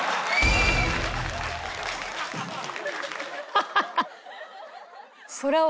ハハハ！